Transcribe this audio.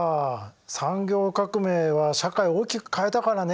産業革命は社会を大きく変えたからね。